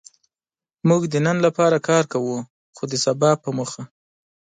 موږ د نن لپاره کار کوو؛ خو د سبا په موخه.